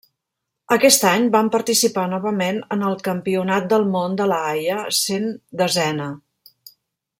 Aquest any van participar novament en el Campionat del Món de La Haia, sent desena.